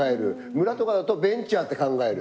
村とかだとベンチャーって考える。